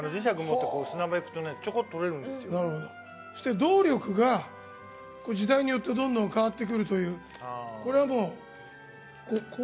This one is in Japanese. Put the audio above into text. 動力が時代によってどんどん変わってくるという。